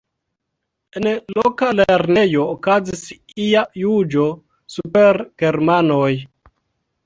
En loka lernejo okazis ia juĝo super germanoj.